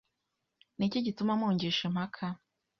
Ni iki gituma mungisha impaka